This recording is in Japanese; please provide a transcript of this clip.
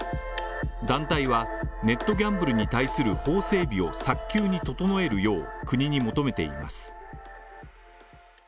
団体はネットギャンブルに対する法整備を早急に整えるよう国に求めています。